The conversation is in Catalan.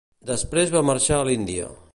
Després va marxar a l'Índia.